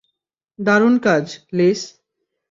দারুণ কাজ, লিস।